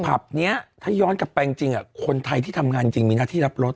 ผับนี้ถ้าย้อนกลับไปจริงคนไทยที่ทำงานจริงมีหน้าที่รับรถ